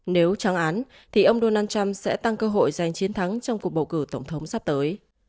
nếu trắng án thì ông donald trump sẽ tăng cơ hội giành chiến thắng trong cuộc bầu cử tổng thống sắp tới